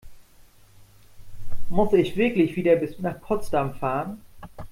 Muss ich wirklich wieder bis nach Potsdam fahren?